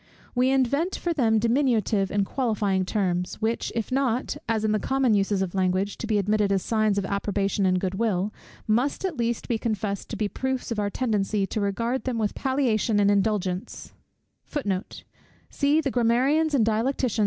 We invent for them diminutive and qualifying terms, which, if not, as in the common uses of language, to be admitted as signs of approbation and good will, must at least be confessed to be proofs of our tendency to regard them with palliation and indulgence.